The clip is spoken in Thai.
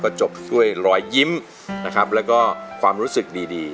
จบด้วยรอยยิ้มนะครับแล้วก็ความรู้สึกดีดี